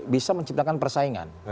bisa menciptakan persaingan